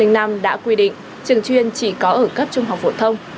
luật giáo dục hai nghìn năm đã quy định trường chuyên chỉ có ở cấp trung học phổ thông